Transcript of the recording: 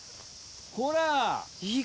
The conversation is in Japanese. ほら！